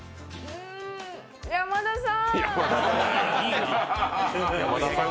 山田さぁん。